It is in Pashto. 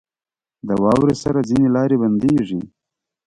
• د واورې سره ځینې لارې بندېږي.